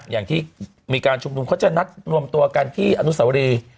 อย่างที่มีการชุมนุมเขาจะนัดรวมตัวกันที่อนุสวรี